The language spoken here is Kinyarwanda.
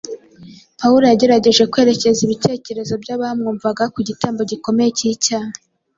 Pawulo yagerageje kwerekeza ibitekerezo by’abamwumvaga ku Gitambo gikomeye cy’icyaha.